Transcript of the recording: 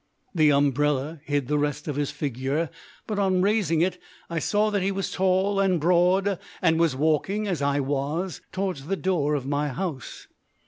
The umbrella hid the rest of his figure, but on raising it I saw that he was tall and broad and was walking, as I was, towards the door of my house.